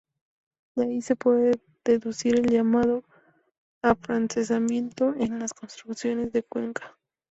De ahí se puede deducir el llamado "afrancesamiento" en las construcciones de Cuenca.